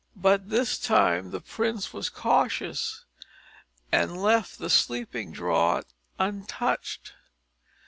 But this time the prince was cautious, and left the sleeping draught untouched.